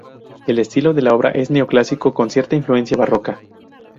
El estilo de la obra es neoclásico con cierta influencia barroca.